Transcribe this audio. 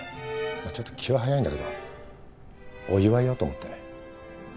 まあちょっと気は早いんだけどお祝いをと思ってね。